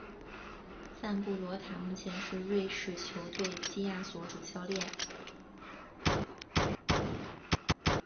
赞布罗塔目前是瑞士球队基亚索主教练。